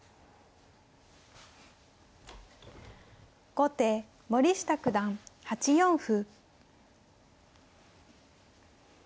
後手森下九段８四歩。